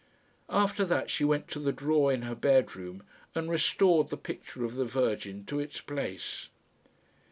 After that she went to the drawer in her bedroom, and restored the picture of the Virgin to its place.